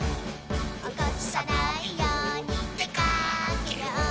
「おこさないようにでかけよう」